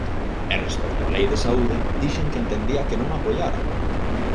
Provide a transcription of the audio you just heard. E respecto á Lei de saúde, dixen que entendía que non a apoiaran.